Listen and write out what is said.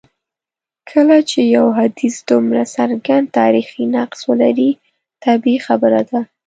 کله چي یو حدیث دومره څرګند تاریخي نقص ولري طبیعي خبره ده.